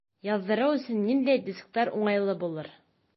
Яҙҙырыу өсөн ниндәй дисктар уңайлы булыр?